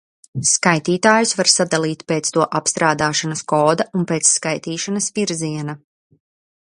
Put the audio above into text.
Skaitītājus var sadalīt pēc to apstrādāšanas koda un pēc skaitīšanas virziena.